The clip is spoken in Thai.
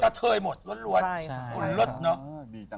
กะเทยหมดล้วน